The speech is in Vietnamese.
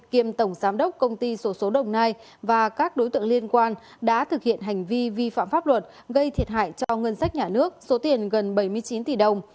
kiêm tổng giám đốc công ty sổ số đồng nai và các đối tượng liên quan đã thực hiện hành vi vi phạm pháp luật gây thiệt hại cho ngân sách nhà nước số tiền gần bảy mươi chín tỷ đồng